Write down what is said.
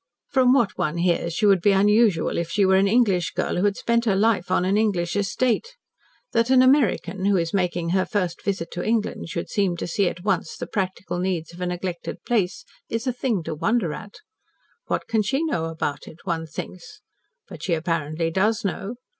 "From what one hears, she would be unusual if she were an English girl who had spent her life on an English estate. That an American who is making her first visit to England should seem to see at once the practical needs of a neglected place is a thing to wonder at. What can she know about it, one thinks. But she apparently does know.